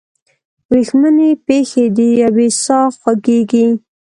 وریښمینې پښې دیوې ساه خوږیږي